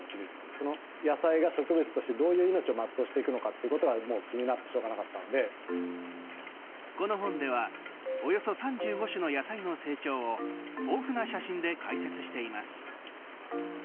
その野菜が植物としてどういう命を全うしていくのかってことはもう、気になってこの本ではおよそ３５種の野菜の成長を豊富な写真で解説しています。